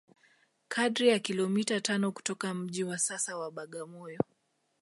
kadri ya kilomita tano kutoka mji wa sasa wa Bagamoyo